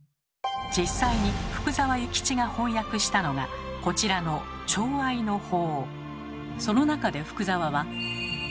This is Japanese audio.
実際に福沢諭吉が翻訳したのがこちらの「帳合之法」。